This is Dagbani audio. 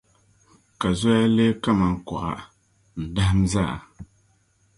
Ka zoya leei kamani kuɣa n-dahim zaa.